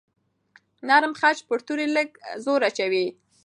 نرم خج پر توري لږ زور اچوي.